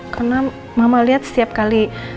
karena mama liat setiap kali